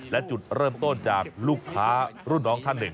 และจุดเริ่มต้นจากลูกค้ารุ่นน้องท่านหนึ่ง